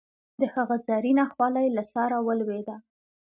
د هغه زرينه خولی له سره ولوېده.